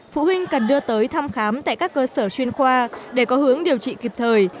phụ huynh cần đưa tới thăm khám tại các cơ sở chuyên khoa để có hướng điều trị kịp thời